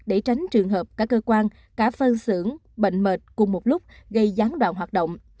để tránh trường hợp cả cơ quan cả phân xưởng bệnh mệt cùng một lúc gây gián đoạn hoạt động